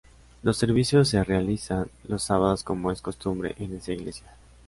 Los servicios se realizan los sábados como es costumbre en esa iglesia.